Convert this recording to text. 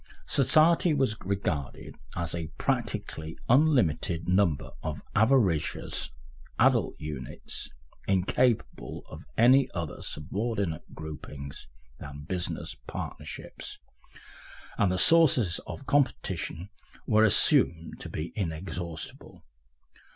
Society was regarded as a practically unlimited number of avaricious adult units incapable of any other subordinate groupings than business partnerships, and the sources of competition were assumed to be inexhaustible.